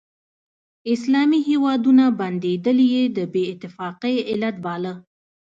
اسلامي هیوادونه بندېدل یې د بې اتفاقۍ علت باله.